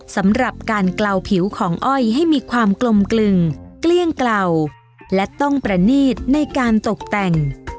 สำหรับการเกลาผิวของอ้อยให้มีความกลมกลึงเกลี้ยงเกลาและต้องประนีตในการตกแต่ง